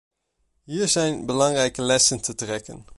Hier zijn belangrijke lessen te trekken.